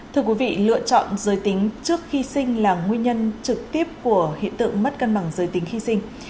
thưa quý vị lựa chọn giới tính trước khi sinh là nguyên nhân trực tiếp của hiện tượng mất cân bằng giới tính khi sinh